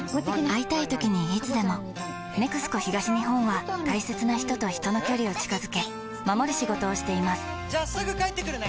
会いたいときにいつでも「ＮＥＸＣＯ東日本」は大切な人と人の距離を近づけ守る仕事をしていますじゃあすぐ帰ってくるね！